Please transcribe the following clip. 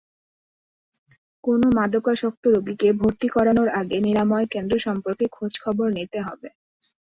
কোনো মাদকাসক্ত রোগীকে ভর্তি করানোর আগে নিরাময়কেন্দ্র সম্পর্কে খোঁজখবর নিতে হবে।